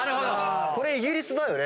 これイギリスだよね。